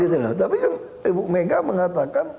tapi ibu megawati mengatakan